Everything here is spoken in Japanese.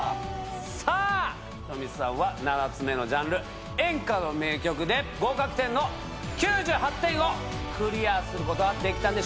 さぁｈｉｔｏｍｉさんは７つ目のジャンル演歌の名曲で合格点の９８点をクリアすることはできたんでしょうか。